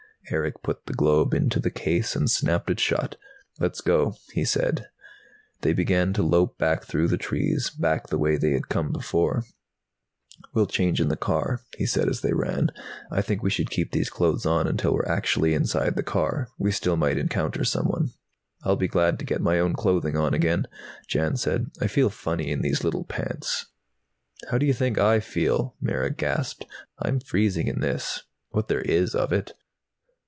Erick put the globe into the case and snapped it shut. "Let's go," he said. They began to lope back through the trees, back the way they had come before. "We'll change in the car," he said as they ran. "I think we should keep these clothes on until we're actually inside the car. We still might encounter someone." "I'll be glad to get my own clothing on again," Jan said. "I feel funny in these little pants." "How do you think I feel?" Mara gasped. "I'm freezing in this, what there is of it."